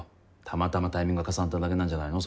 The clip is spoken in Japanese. たまたまタイミングが重なっただけなんじゃないの？